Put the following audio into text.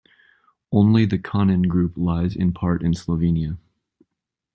Only the Kanin group lies in part in Slovenia.